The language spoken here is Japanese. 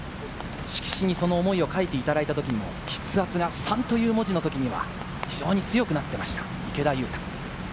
色紙にその思いを書いていただいたときも筆圧が「３」という文字の時には非常に強くなっていました、池田勇太。